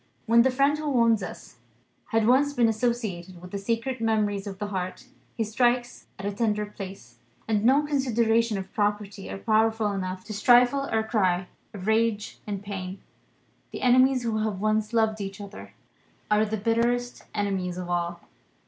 When the friend who wounds us has once been associated with the sacred memories of the heart, he strikes at a tender place, and no considerations of propriety are powerful enough to stifle our cry of rage and pain. The enemies who have once loved each other are the bitterest enemies of all.